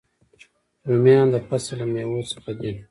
رومیان د فصل له میوو څخه دي